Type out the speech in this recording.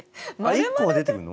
１個は出てくるの？